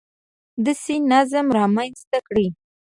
داسې نظم رامنځته کړي